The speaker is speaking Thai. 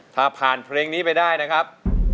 ถ้าผ่านเพลงนี้ไปได้นะครับ